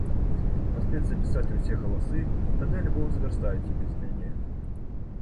Паспець запісаць усе галасы, тады альбом звярстаюць і без мяне.